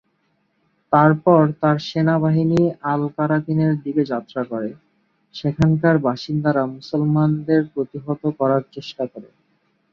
তারপর তাঁর সেনাবাহিনী আল-কারাতিনের দিকে যাত্রা করে, সেখানকার বাসিন্দারা মুসলমানদের প্রতিহত করার চেষ্টা করে।